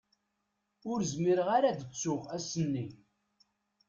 Ur zmireɣ ara ad ttuɣ ass-nni.